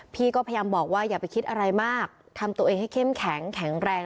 พี่ก็พยายามบอกว่าอย่าไปคิดอะไรมากทำตัวเองให้เข้มแข็งแข็งแรง